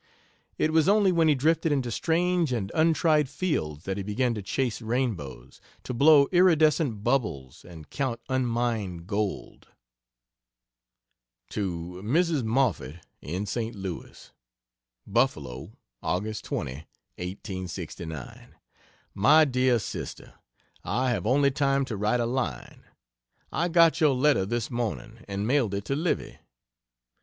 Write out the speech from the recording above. It was only when he drifted into strange and untried fields that he began to chase rainbows, to blow iridescent bubbles, and count unmined gold. To Mrs. Moffett, in St. Louis: BUFFALO, Aug. 20, 1869. MY DEAR SISTER, I have only time to write a line. I got your letter this morning and mailed it to Livy.